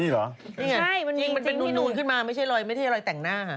นี่เหรอจริงมันเป็นหนูนขึ้นมาไม่ใช่รอยแต่งหน้าค่ะนี่เหรอจริงมันเป็นหนูนขึ้นมาไม่ใช่รอยแต่งหน้าค่ะ